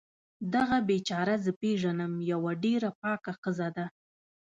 دغه بیچاره زه پیږنم یوه ډیره پاکه ښځه ده